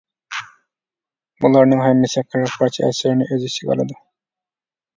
بۇلارنىڭ ھەممىسى قىرىق پارچە ئەسەرنى ئۆز ئىچىگە ئالىدۇ.